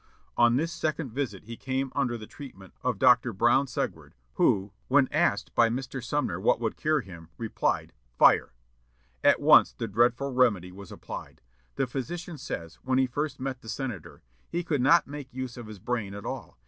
On this second visit he came under the treatment of Dr. Brown Séquard, who, when asked by Mr. Sumner what would cure him, replied, "Fire." At once the dreadful remedy was applied. The physician says, when he first met the senator, "He could not make use of his brain at all.